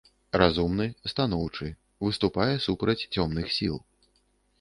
Разумны, станоўчы, выступае супраць цёмных сіл.